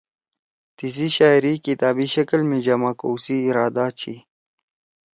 تیِسی شاعری کتابی شکل می جمع کؤ سی ارادا چھی۔